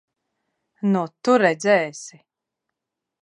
Nu, tu redzēsi!